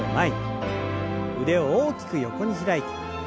腕を大きく横に開いて。